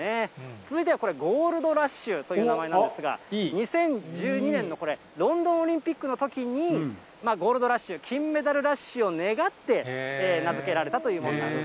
続いてはこれ、ゴールドラッシュという名前なんですが、２０１２年のロンドンオリンピックのときに、ゴールドラッシュ、金メダルラッシュを願って名付けられたというものなんです。